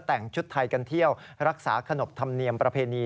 แต่งชุดไทยกันเที่ยวรักษาขนบธรรมเนียมประเพณี